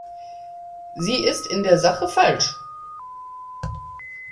Sie ist in der Sache falsch.